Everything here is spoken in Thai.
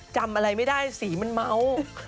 จำอะไรไม่ได้สีมันเมา